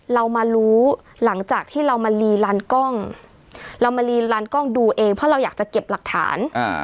เรามารู้หลังจากที่เรามาลีลานกล้องเรามาลีลานกล้องดูเองเพราะเราอยากจะเก็บหลักฐาน